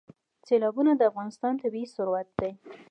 سیلابونه د افغانستان طبعي ثروت دی.